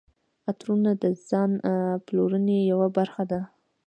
عطرونه د ځان پاملرنې یوه برخه ده.